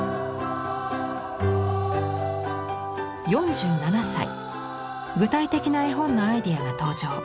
４７歳具体的な絵本のアイデアが登場。